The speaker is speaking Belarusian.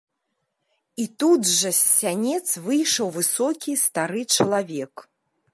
І тут жа з сянец выйшаў высокі стары чалавек.